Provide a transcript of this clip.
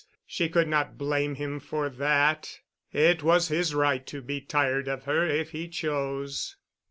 She could not blame him for that. It was his right to be tired of her if he chose.